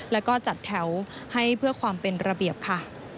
แล้วก็จัดแถวให้เพื่อความเป็นระเบียบค่ะ